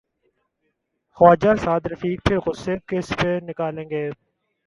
خواجہ سعدرفیق پھر غصہ کس پہ نکالیں گے؟